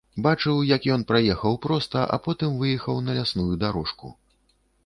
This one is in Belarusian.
Бачыў, як ён праехаў проста, а потым выехаў на лясную дарожку.